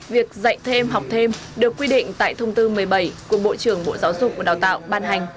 việc dạy thêm học thêm được quy định tại thông tư một mươi bảy của bộ trưởng bộ giáo dục và đào tạo ban hành